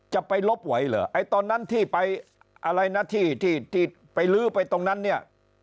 จะไปลบไหวเหรอไอ้ตอนนั้นที่ไปอะไรนะที่ที่ไปลื้อไปตรงนั้นเนี่ย